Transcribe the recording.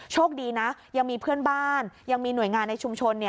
โชคดีนะยังมีเพื่อนบ้านยังมีหน่วยงานในชุมชน